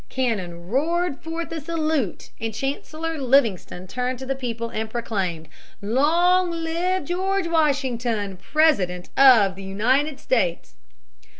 Cannon roared forth a salute and Chancellor Livingston turning to the people proclaimed, "Long live George Washington, President of the United States."